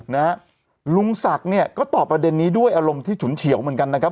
นะฮะลุงศักดิ์เนี่ยก็ตอบประเด็นนี้ด้วยอารมณ์ที่ฉุนเฉียวเหมือนกันนะครับ